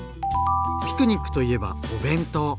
ピクニックといえばお弁当！